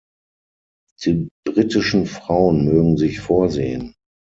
Die britischen Frauen mögen sich vorsehen!